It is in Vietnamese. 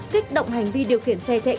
kích động hành vi điều khiển xe chạy